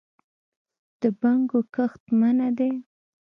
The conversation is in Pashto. د بنګو کښت منع دی